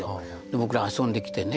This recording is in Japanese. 僕ら遊んできてね